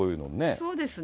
そうですね。